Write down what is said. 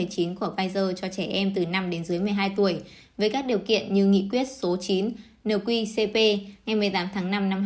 của pfizer cho trẻ em từ năm đến dưới một mươi hai tuổi với các điều kiện như nghị quyết số chín nợ quy cp ngày một mươi tám tháng năm năm hai nghìn hai mươi một